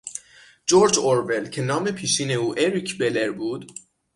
جرج ارول که نام پیشین او اریک بلر بود